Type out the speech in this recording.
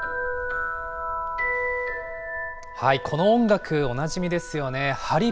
この音楽、おなじみですよね。